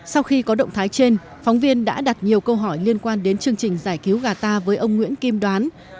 sau khi có động thái trên phóng viên đã đặt nhiều câu hỏi liên quan đến chương trình giải cứu gà ta với ông nguyễn kim đoán